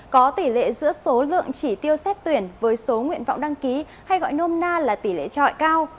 có tỷ lệ giữa số lượng chỉ tiêu xét tuyển với số nguyện vọng đăng ký hay gọi nôm na là tỷ lệ trọi cao